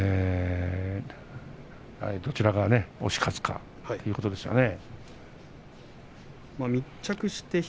どちらが押し勝つかということですかね。